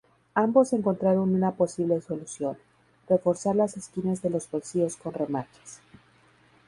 Ambos encontraron una posible solución: reforzar las esquinas de los bolsillos con remaches.